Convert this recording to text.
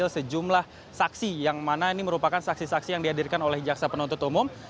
sejumlah saksi yang mana ini merupakan saksi saksi yang dihadirkan oleh jaksa penuntut umum